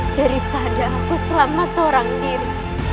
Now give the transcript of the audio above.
daripada aku selamat seorang diri